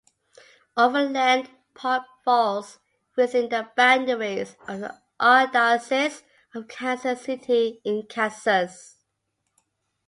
Overland Park falls within the boundaries of the Archdiocese of Kansas City in Kansas.